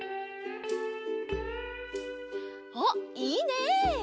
おっいいね！